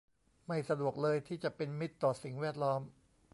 ไม่สะดวกเลยที่จะเป็นมิตรต่อสิ่งแวดล้อม